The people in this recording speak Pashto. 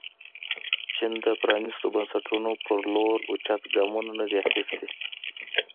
چین د پرانیستو بنسټونو په لور اوچت ګامونه نه دي اخیستي.